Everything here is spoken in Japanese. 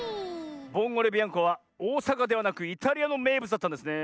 ボンゴレビアンコはおおさかではなくイタリアのめいぶつだったんですねえ。